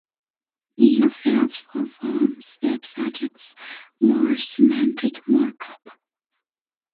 New fields for forms, Web-sockets, more semantic markup.